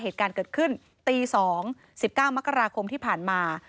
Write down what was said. เหตุการณ์เกิดขึ้นตี๒๑๙มกราคมที่ผ่านมา